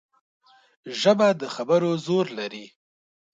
ژبه د خبرو زور لري